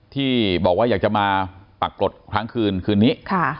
ที่บอกว่าอยากจะมาปรากฏครั้งคืนคืนนี้